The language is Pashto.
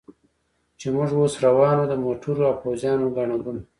چې موږ اوس روان و، د موټرو او پوځیانو ګڼه ګوڼه.